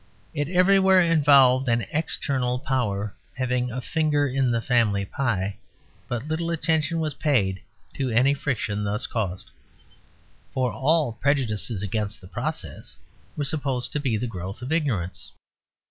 It everywhere involved an external power having a finger in the family pie; but little attention was paid to any friction thus caused, for all prejudices against the process were supposed to be the growth of ignorance.